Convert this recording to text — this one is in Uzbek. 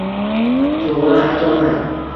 To’g’ri aytolmay